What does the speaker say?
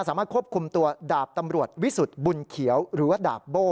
สามารถควบคุมตัวดาบตำรวจวิสุทธิ์บุญเขียวหรือว่าดาบโบ้